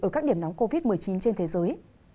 ở các điểm nóng covid một mươi chín trên thế giới